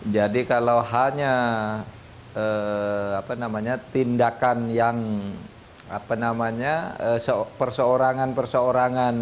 jadi kalau hanya tindakan yang perseorangan perseorangan